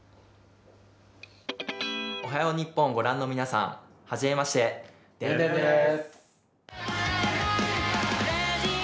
おはよう日本をご覧の皆さん、はじめまして、田田です。